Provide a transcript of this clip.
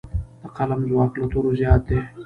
د قلم ځواک له تورو زیات دی.